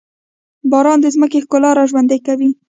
باران د ځمکې ښکلا راژوندي کوي.